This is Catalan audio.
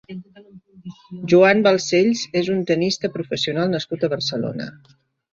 Joan Balcells és un tennista professional nascut a Barcelona.